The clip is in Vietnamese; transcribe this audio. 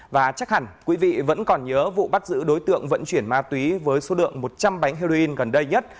và chắc hẳn quý vị vẫn còn nhớ vụ bắt giữ đối tượng vận chuyển ma túy với số lượng một trăm linh bánh heroin gần đây nhất